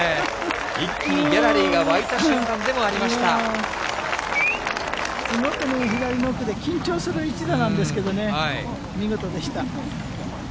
一気にギャラリーが沸いた瞬間ですごくね、緊張する一打なんですけどね、見事でした。